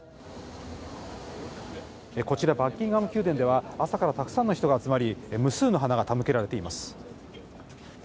こちら、バッキンガム宮殿では、朝からたくさんの人が集まり、無数の花が手向けられています。